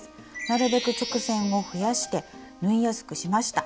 なるべく直線を増やして縫いやすくしました。